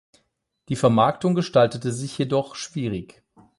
Die Vermarktung gestaltete sich jedoch schwierig.